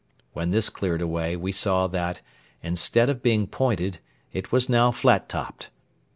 When this cleared away we saw that, instead of being pointed, it was now flat topped.